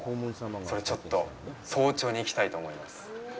それちょっと、早朝に行きたいと思います。